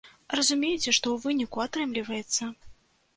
Разумееце, што ў выніку атрымліваецца!